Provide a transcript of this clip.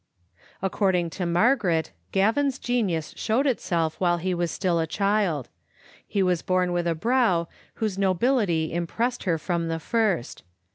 According to Margaret, Gavin's genius showed itself while he was still a child. He was bom with a brow whose nobility impressed her from the first.